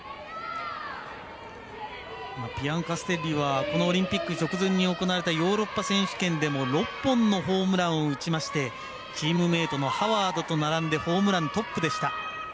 ピアンカステッリはこのオリンピック直前に行われたヨーロッパ選手権でも６本のホームランを打ちましてチームメートのハワードと並んでホームラントップでした。